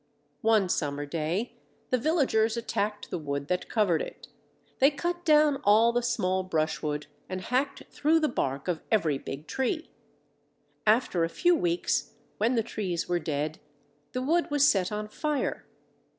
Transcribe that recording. One summer day the villagers attacked the wood that covered it; they cut down all the small brushwood and hacked through the bark of every big tree. After a few weeks, when the trees were dead, the wood was set on fire.